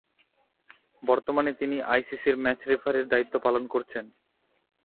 বর্তমানে তিনি আইসিসি’র ম্যাচ রেফারি’র দায়িত্ব পালন করছেন।